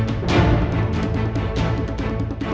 mas rasha tunggu